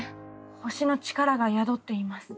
星の力が宿っています。